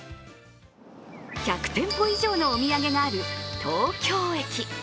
１００店舗以上のお土産がある東京駅